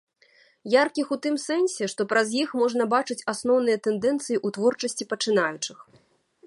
Яркіх у тым сэнсе, што праз іх можна бачыць асноўныя тэндэнцыі ў творчасці пачынаючых.